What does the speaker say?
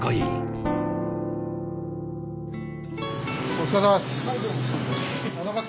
お疲れさまです。